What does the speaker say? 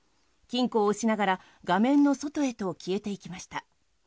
金庫を押しながら画面の外へと消えていきました。